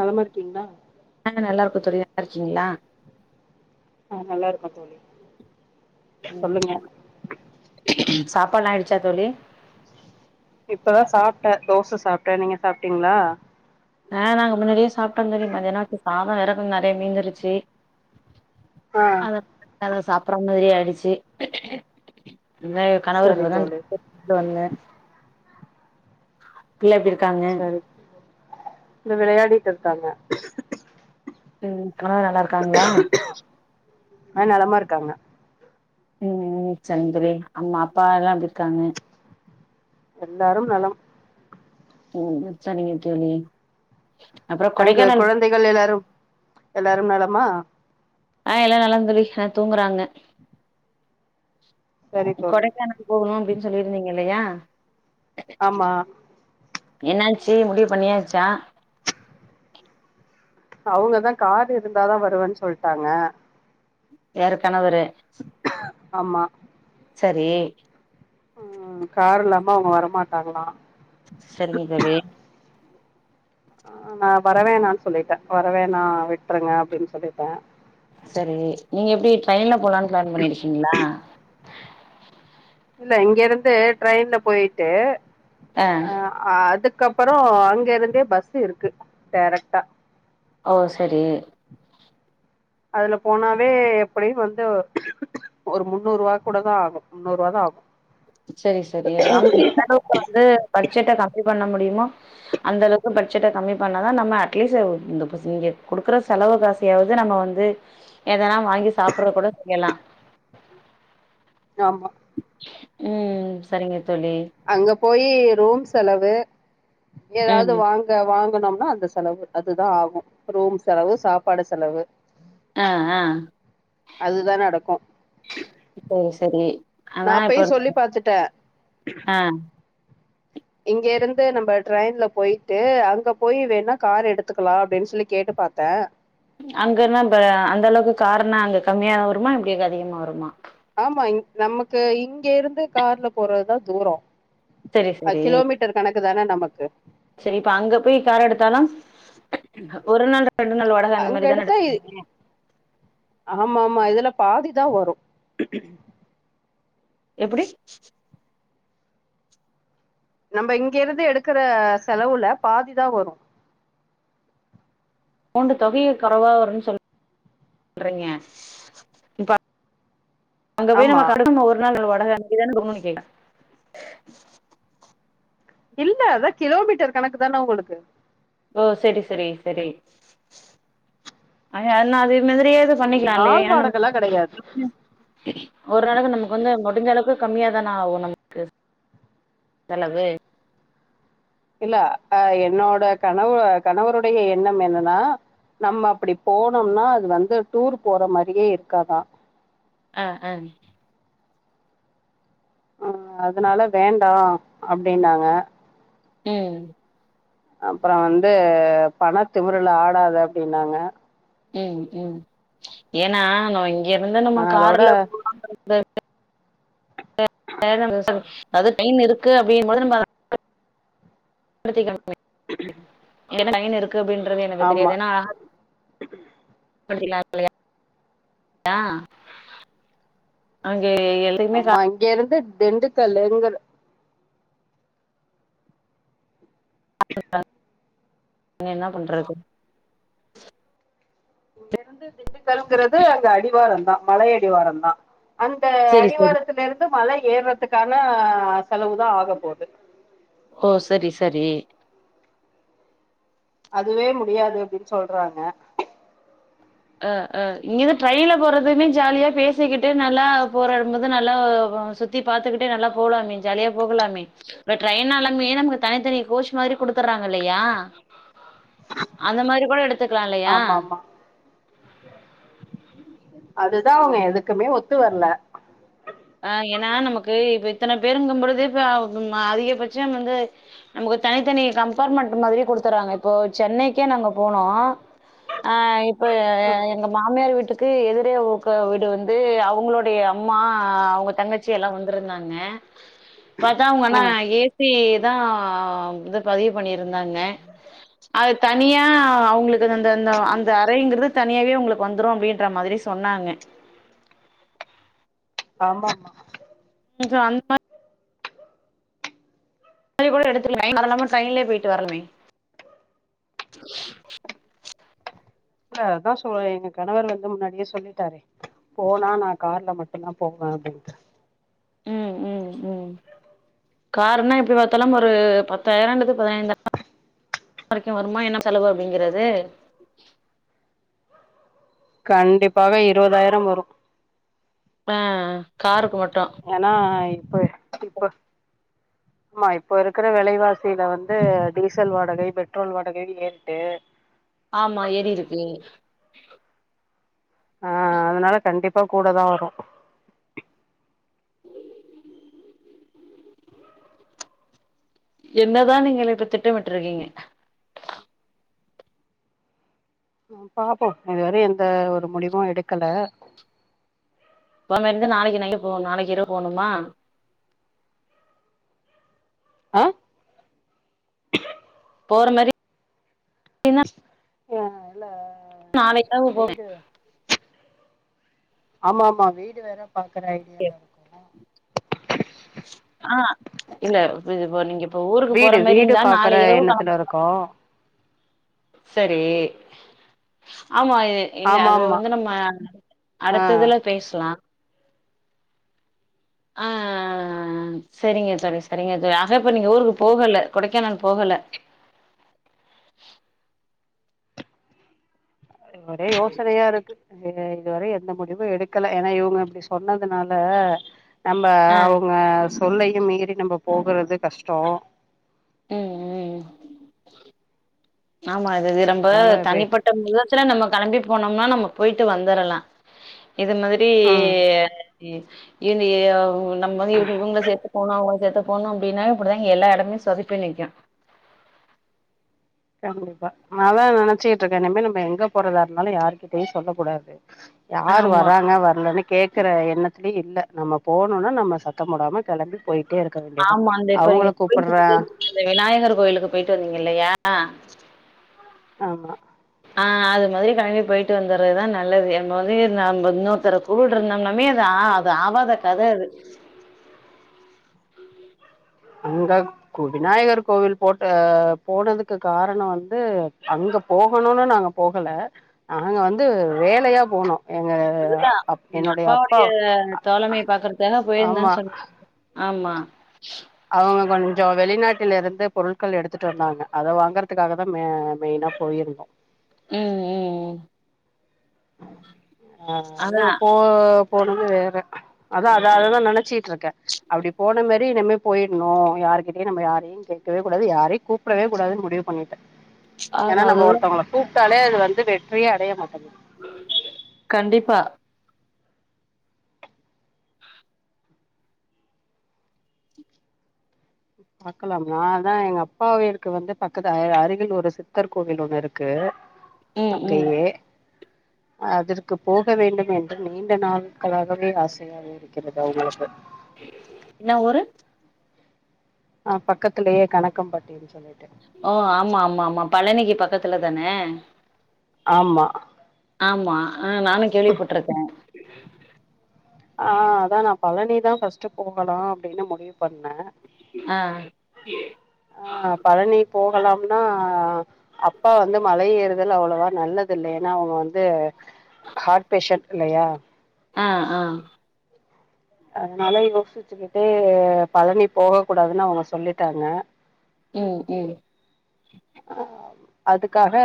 நலமா இருக்கீங்களா ஆ நல்லாருக்கோம் தோழி நல்லாருக்கீங்களா ஆ நல்லாருக்கோ தோழி சொல்லுங்க சாப்பாடல்லா ஆயிடிச்சா தோழி இப்பதா சாப்ட தோச சாப்ட நீங்க சாப்டீங்களா ஆ நாங்க முன்னாடியே சாப்டோ தோழி மதியானோ வச்ச சாததோ வேற நெறைய மீஞ்சுருச்சு ஆ அத அத சாப்புற மாரி ஆயிடுச்சு [unintelligible] கணவருக்கு சரி தோழி இப்பதா [inaudible] வந்த பிள்ள எப்டி இருக்காங்க சரி இந்த விளையாடிட்டுருக்காங்க ம் கணவர் நல்லாருக்காங்ளா ஆ நலமா இருக்காங்க ம் ம் சந்திரி அம்மா அப்பா எல்லா எப்டி இருக்காங்க எல்லாரும் நலம் ம் சரிங்க தோழி அப்றோ அங்கு கொடைக்கானல் குழந்தைகள் எல்லாரு எல்லாரும் நலமா ஆ எல்லாரு நலம் தோழி ஆ தூங்குறாங்க சரி தோழி கொடைக்கானல் போகுணு அப்டின்னு சொல்லிருந்தீங்கில்லயா ஆமா என்னாச்சு முடிவு பண்ணியாச்சா அவுங்கதா கார் இருந்தாதா வருவன் சொல்ட்டாங்க யாரு கணவரு ஆமா சரி ம் கார் இல்லாம அவுங்க வரமாட்டாங்களா சரிங்க தோழி ஆ நா வரவேணான்னு சொல்லிட்ட வரவேணா விட்ருங்க அப்டினு சொல்லிட்ட சரி நீங்க எப்டி ட்ரெயின்ல போலானு பிளான் பண்ணிருக்கீங்களா இல்ல இங்கிருந்து ட்ரெயின்ல போய்ட்டு ஆ ஆ அதுக்கப்புறோ அங்க இருந்தே பஸ் இருக்கு டேரக்ட்டா ஓ சரி அதுல போனாவே எப்படியு வந்து ஒரு முன்னூர்வா கூட தா ஆகு முன்னூர்வா தா ஆகு சரி சரி நம்ம எந்தளவுக்கு வந்து பட்ஜெட்ட கம்மி பண்ண முடியுமோ அந்த அளவுக்கு பட்ஜெட்ட கம்மி பண்ணாதா நம்ம அட்லீசு இந்த இப்ப சு இங்க குடுக்கற செலவு காஸ் யாவது நம்ம வந்து எதனா வாங்கி சாப்புறது கூட செய்யலா ஆமா ம் சரிங்க தோழி அங்க போயி ரூம் செலவு ஏதாவது ம் வா ங்க வாங்னம்னா அந்த செலவு அதுதா ஆகு ரூம் செலவு சாப்பாடு செலவு ஆ ஆ அதுதா நடக்கு இப்போ சரி அவ நா இப்ப அப்பயு சொல்லி பாத்துட்டே [inaudible] ஆ இங்க இருந்து நம்ப ட்ரெயின்ல போயிட்டு அங்க போய் வேணா கார் எடுத்துக்கலா அப்டி சொல்லி கேட்டு பாத்தே அங்கனா ப அந்த அளவுக்கு காருணா அங்க கம்மியா வருமா இப்டி அதிகமா வருமா ஆமா இ நமக்கு இங்க இருந்து கார்ல போறதுதா தூரோ சரி அ சரி கிலோமீட்டர் கணக்கு தான நமக்கு சரி இப்ப அங்க போய் கார் எடுத்தாலு ஒரு நாள் ரெண்டு நாள் வாடக அந்த அங்க மாரிதான எடு [inaudible] ஆமாமா இதுல பாதி தா வரு எப்டி நம்ப இங்கிருந்து எடுக்குற செலவுல பாதிதா வரு மோண்டு தொகையே கறவா வருசொல்றீங்க இ அங்க போய் ஆமா நம்ம கட்டணு ஒரு நாள் வாடக [unintelligible] இல்ல அதா கிலோமீட்டர் கணக்கு தான உங்களுக்கு ஓ செரி செரி செரி அவ எல்லா அதே மாரியே இது ம், பண்ணிக்கலா இல்லயா நாள் ஏனா நம் [inaudible] வாடகல்லா கெடையாது ஒரு நாளக்கு நமக்கு வந்து முடிஞ்ச அளவுக்கு கம்மியா தானே ஆகு நமக்கு செலவு இல்ல அ என்னோட கணவு கணவருடைய எண்ணம் என்னனா நம்ம அப்பிடி போனோம்னா அது வந்து டூர் போற மாரியே இருக்காதா ஆ ஆ அ அதனால வேண்டா அப்டின்னாங்க ம் அப்ற வந்து பண திமிருல ஆடாத அப்டின்னாங்க ம் ம் ஏன்னா நம்ம இங்க இருந்து நம்ம அதோட கார்ல போலானு [inaudible] [inaudible] அது டைம் இருக்கு அப்டிங்போது நம்ம [inaudible] [inaudible] இங்க ட்ரெயின் இருக்கு அப்டின்றது எனக்கு ஆமா தெரியாது ஏனா [inaudible] அங்க எல் அம்மா இங்க இருந்து திண்டுக்கல்லுங்ற [inaudible] என்னா பண்றது இங்க இருந்து திண்டுக்கல்ங்கிறது அங்க அடிவாரந்தா மலை அடிவாரந்தா அந்த செரி செரி அடிவாரத்துல இருந்து மலை ஏற்துக்கான செலவு தா ஆகப்போது ஓ சரி சரி அதுவே முடியாது அப்டின் சொல்றாங்க அ அ இங்க இருந்து ட்ரெயின்ல போறதுமே ஜாலியா பேசிக்கிட்டு நல்லா போராடும்போது நல்லா சுத் த்தி பாத்துக்கிட்டே நல்லா போலாமே ஜாலியா போகலாமே இப்ப ட்ரெயின்னாலமே நமக்கு தனித்தனி கோச் மாரி குடுத்தர்றாங்க இல்லையா அந்த மாரி கூட எடுத் ஆமாம்மா அதுதா அவங்க எதுக்குமே ஒத்து வரல ஆ ஏன்னா நமக்கு இப்ப இத்தன பேருங்கும்பழுதே இப்ப அதிகபட்சம் வந்து நமக்கு தனித்தனி கம்பார்ட்மெண்டட் மாரி குடுத்துறாங்க இப்போ சென்னைக்கே நாங்க போனோ ஆ இப்ப ம் எங்க மாமியார் வீட்டு க்கு எதிரே வீடு வந்து அவங்களுடைய அம்மா ஆ அவங்க தங்கச்சி எல்லா வந்திருந்தாங்க பத்தா அவங்கன்னா ஆ ஏசி தா வந்து பதிவு பண்ணியிருந்தாங்க அது தனியா அவங்களுக்கு அந்த அந்த அந்த அறைங்கிறது தனியாவே உங்களுக்கு வந்துரு அப்டின்ற மாதிரி சொன்னாங்க ஆமாமா கொஞ்சோ அந் [unintelligible] மாரி கூட எடுத்துக்க அதல்லாம ட்ரெயின்லய போயிட்டு வரலமே இல்ல அதா சொ எங்க கணவர் வந்து முன்னாடியே சொல்லிட்டா போனா நா கார்ல மட்டும்தா போவே அப்டின்டு ம் ம் ம் கார் ன்னா எப்டி பாத்தாலு ஒரு பத்தாயிரம் அல்லது பதினைந்தா வரைக்கு வருமா என்ன செலவு அப்டிங்கிறது கண்டிப்பாக இருபதாயிரம் வரும் ஆ காருக்கு மட்டு ஆனா இப்ப இப்ப [unintelligible] ஆமா இப்ப இருக்கிற விலைவாசியில வந்து டீசல் வாடகை பெட்ரோல் வாடகை ஏறிட்டு ஆமா ஏறிருக்கு ஆ அதனால கண்டிப்பா கூட தா வரு [inaudible] என்னதா நீங்கள் இப்ப திட்டமிட்டுருக்கீங்க பாப்போ இதுவர எந்த ஒரு முடிவும் எடுக்கல [unintelligible] நாளைக்கி நைட்டு போ நாளைக்கி இரவு போனுமா ஆ போற மாரி ஆ இல்ல நாளைக்காவு போவ வீடு ஆமா ஆமா வீடு வேற பாக்குற ஐடியாலா இருக்கோ ஆ இல்ல இது இப்போ நீங்க இப்ப ஊருக்கு போற மேரி இருந்தா நாளை இரவு கெளம்பர மா கா செரி ஆமா இ இல்ல ஆமா அது ஆமா வந்து நம்ம ஆ அடுத்ததுல பேசலா ஆ ம் சரிங்க சரிங்க தோழி ஆக இப்ப நீங்க ஊருக்கு போகல கொடைக்கானல் போகல ஒரே யோசனயா இருக்கு அது இதுவரயு எந்த முடிவு எடுக்கல ஏன்னா இவ்ங்க இப்டி சொன்னதுனால நம்ம ஆ அவ்ங்க சொல்லயு மீறி நம்ம போகுறது கஷ்டோ ம் ம் ஆமா இது ரொம்ப அதனால வே தனிப்பட் டம் விதத்துல நம்ம கெளம்பி போனோம்னா நம்ம போயிட்டு வந்துறலா இது மாதிரி ம் ஈஈ இனி நம்ம வந்து இ இவ்ங்கள சேத்து போனு அவ்ங்கள சேத்து போணு அப்டின்னா இப்டிதா எல்லா இடமு சொதப்பி நிக்கு கண்டிப்பா நாதா நெனச்சிட்டுருக்க நம்ம நம்ம எங்க போறதா இருந்தாலு யாருகிட்டயு சொல்ல கூடாது யாரு ஆமா வராங்க வரலனு கேக்கற எண்ணத்துலயே இல்ல நம்ம போணொனா நம்ம சத்த போடாம கெளம்பி போயிட்டே இருக்க வேண்டிதா அவங்கள கூப்படறே ந்த விநாயகர் கோயிலுக்கு போயிட்டு வந்தீங்க இல்லயா ஆமா ஆ அது மாதிரி கெளம்பி போயிட்டு வந்துறதுதா நல்லது நம்ம‌ வந்து இன்னொருத்தர் கூப்ட்ரோட்ந்தோம்னாமே அது ஆ அது ஆவாத கத அது அங்க கு விநாயகர் கோவில் போட்ட போனதுக்கு காரண வந்து அங்க போகணுனு நாங்க போகல நாங்க வந்து வேலையா போனொ அதுதா அப்பாவுடய தோழமைய பாக்குறதுக்காக ஆமா போயிருந்தனு சொல் ஆமா அவ்ங்க கொஞ்சொ வெளிநாட்லருந்து பொருட்கள் எடுத்துட்டு வந்தாங்க அத வாங்குறதுக்காக தா ம மெய்னா போயிருந்தொ ம் ம் அ அது அதா போ போனது வேற அதா அதா அததா நினச்சிட்டு இருக்க அப்டி போன மாறி இனிமே போயிட்ணு யார்க்கிட்டயு நம்ம யாரயு கேட்கவே கூடாது யாரயு கூப்பிடவே கூடாதுன்னு முடிவு பண்ணிட்ட ஏன்னா ஆமா நம்ம அது ஒருத்தவங்கள கூப்ட்டாலே அது வந்து வெற்றியே அடய மாட்டேங்குது ம் கண்டிப்பா பாக்கலாமா அதா எங்க அப்பாவிருக்கு வந்து பக்கத்து அருகில் ஒரு சித்தர் கோவில் ஒண்ணு இருக்கு ம் ம் அங்கயே அதற்கு போக வேண்டும் என்று நீண்ட நாட்களாகவே ஆசையாக இருக்கிறது அவ்ங்களுக்கு என்ன ஊரு ஆ பக்கத்திலேயே கணக்கம்பட்டின்னு சொல்லிட்டு ஓ ஆமா ஆமா ஆமா பழனிக்கு பக்கத்துல தான ஆமா ஆமா ஆ நானு கேள்விப்பட்டுருக்க ஆ அதா நா பழனிதா ஃபர்ஸ்ட் போகலா அப்டின்னு முடிவு பண்ண அ நா பழனி போகலாம்னா அப்பா வந்து மலை ஏறுதல் அவ்ளொவா நல்லதில்ல ஏன்னா அவ்ங்க வந்து ஹார்ட் பேஷன்ட் இல்லயா அ ஆ அதனால யோசிச்சுகிட்டே‌பழனி போக கூடாதுன்னு அவங்க சொல்லிட்டாங்க ம் ம் ஆ அதுக்காக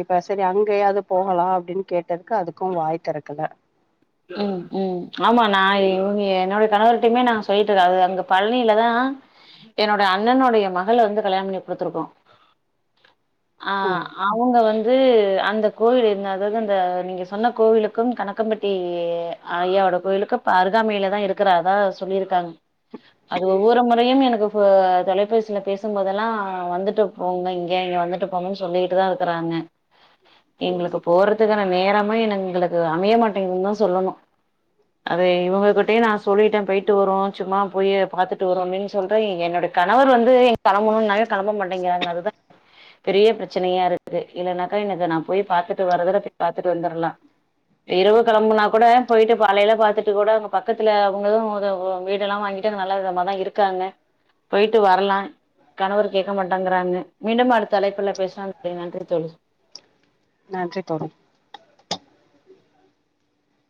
இப்ப சரி அங்கயாவது போகலாம் அப்படின்னு கேட்டதுக்கு அதுக்கும் வாய தொறக்கல ம்ம் ஆமா நான் இவங்க என்னோடைய கணவர்ட்டயுமே நா சொல்லிட்டிருக்க அது அங்க பழனிலதான் என்னோட அண்ணனுடைய மகள வந்து கல்யாணம் பண்ணி குடுத்து இருக்கோ ஆ ம் அவங்க வந் து அந்த கோவில் என்னாது அது அந்த நீங்க சொன்ன கோவிலுக்கும் கணக்கம்பட் டி ஏ ஐயாவோட கோவிலுக்கு அப்ப அருகாமைல தா இருக்குற அத்தா சொல்லியிருக்காங்க அது ஒவ்வொரு முறையும் எனக்கு இ தொலைபேசில பேசும் போதெல்லா வந்துட்டு போங்க இங்க இங்க வந்துட்டு போணுன்னு சொல்லிட்டு தா இருக்குறாங்க எங்களுக்கு போறதுக்கான நேரமே எனங் எங்களுக்கு அமைய மாட்டிங்குதுன்னு தா சொல்லணு அது இவங்ககிட்டயே நா சொல்லிட்டே போயிட்டு வருவோ சும்மா போயி பாத்துட்டு வருவோமேன்னு சொல்றே என்னோட கணவர் வந்து எ களம்பணும்னாலே களம்ப மாட்டேங்கெறாங்க அதுதா பெரிய ப்ரச்சனயா இருக்கு இல்லன்னாக்கா எனக்கு நா போய் பாத்துட்டு வரதுடா கெட் பாத்துட்டு வந்தறலா இருவ் களம்புனா கூட போயிட்டு ப காலேல பாத்துட்டு கூட அங்க பக்கத்துல அவங்களு மொத வீடெல்லா வாங்கிட்டு அங்க நல்ல விதமாக தா இருக் காங்க போய்ட்டு வரலா கணவரு கேக்க மாட்டாங்கறாங்க மீண்டும் அடுத்தலைப்புல பேசுலாம் தோழி நன்றி தோழி நன்றி தோழி